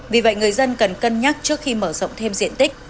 vì vậy người dân cần cân nhắc trước khi mở rộng thêm diện tích